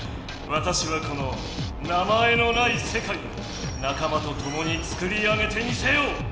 わたしはこの「名前のない世界」を仲間とともにつくり上げてみせよう！